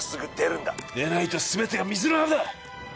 出ないと全てが水の泡だ。